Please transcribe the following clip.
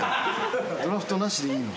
ドラフトなしでいいの？